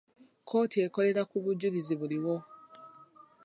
Kkooti ekolera ku bujulizi buliwo.